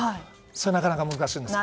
それはなかなか難しいんです。